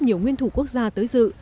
nhiều nguyên thủ quốc gia tới dự